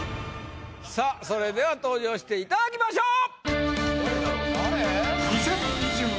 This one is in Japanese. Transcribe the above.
さぁそれでは登場していただきましょう！